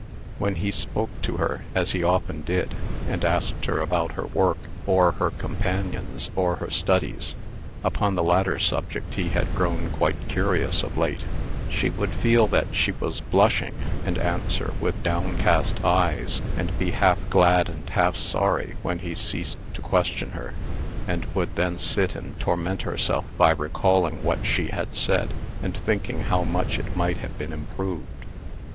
When he spoke to her, as he often did, and asked her about her work, or her companions, or her studies (upon the latter subject he had grown quite curious, of late), she would feel that she was blushing, and answer, with downcast eyes, and be half glad and half sorry when he ceased to question her, and would then sit and torment herself by recalling what she had said, and thinking how much it might have been improved.